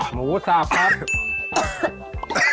หมูสับครับ